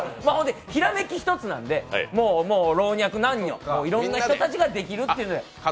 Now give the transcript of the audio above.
ひらめき１つなんで、老若男女いろんな方たちができるというので。